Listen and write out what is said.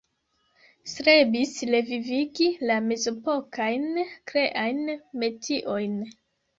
Strebis revivigi la mezepokajn kreajn metiojn.